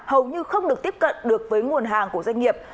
hầu như không được tiếp cận được với nguồn hàng của doanh nghiệp